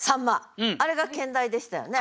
あれが兼題でしたよね。